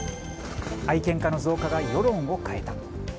愛犬家の増加が世論を変えた。